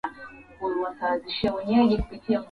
kipenngele cha programu kinaweza kutumia muundo mmoja